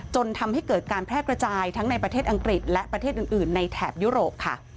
จนทำให้เกิดการแพร่กระจายทั้งในประเทศอังกฤษและประเทศอื่นในแถบยุโรปค่ะ